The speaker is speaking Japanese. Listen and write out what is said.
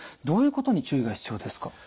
どういうことに注意が必要ですか？